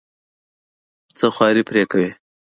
څه خواري پرې کوې.